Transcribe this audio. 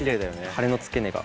はねの付け根が。